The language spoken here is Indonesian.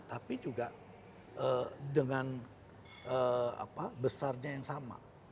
tapi juga dengan besarnya yang sama